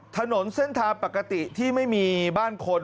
ถนนเส้นทางปกติที่ไม่มีบ้านคน